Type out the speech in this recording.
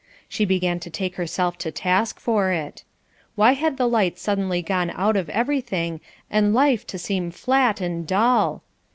She began to take herself to task for it. Why had the light suddenly gone out of everything and life to seem flat and dull?